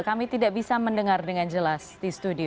kami tidak bisa mendengar dengan jelas di studio